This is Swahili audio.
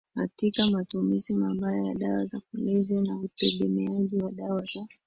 katika matumizi mabaya ya dawa za kulevya na utegemeaji wa dawa za